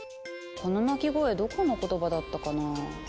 この鳴き声どこの言葉だったかなぁ。